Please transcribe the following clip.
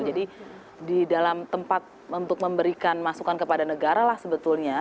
jadi di dalam tempat untuk memberikan masukan kepada negara lah sebetulnya